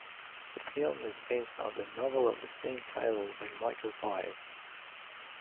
The film is based on the novel of the same title by Michael Pye.